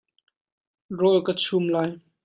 Rawl ka chum lai.